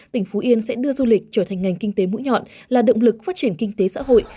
tỉnh phú yên sẽ đưa du lịch trở thành ngành kinh tế mũi nhọn là động lực phát triển kinh tế xã hội